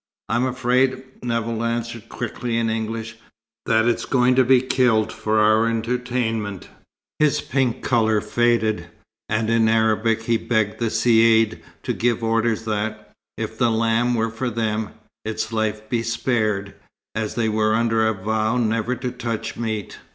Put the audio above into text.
"I'm afraid," Nevill answered quickly in English, "that it's going to be killed for our entertainment." His pink colour faded, and in Arabic he begged the Caïd to give orders that, if the lamb were for them, its life be spared, as they were under a vow never to touch meat.